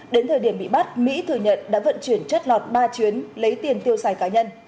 đến thời điểm bị bắt mỹ thừa nhận đã vận chuyển chất lọt ba chuyến lấy tiền tiêu xài cá nhân